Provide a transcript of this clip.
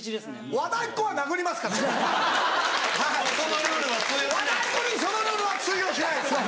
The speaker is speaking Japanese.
和田アキ子にそのルールは通用しないです。